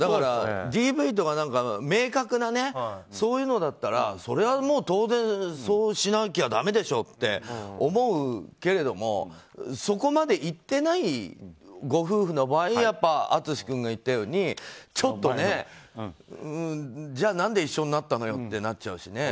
ＤＶとか明確なそういうのだったらそれはもう当然そうしなきゃダメでしょって思うけれどもそこまでいっていないご夫婦の場合やっぱ、淳君が言ったようにちょっとねじゃあ何で一緒になったのよってなっちゃうしね。